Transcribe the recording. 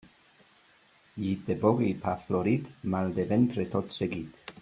Llit de boga i pa florit, mal de ventre tot seguit.